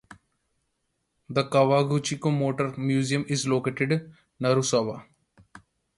The Kawaguchiko Motor Museum is located in Narusawa.